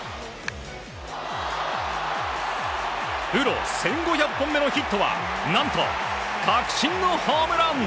プロ１５００本目のヒットは何と確信のホームラン！